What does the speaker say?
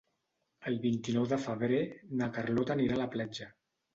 El vint-i-nou de febrer na Carlota anirà a la platja.